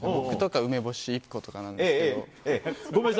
僕とか梅干し１個とかなんですけど。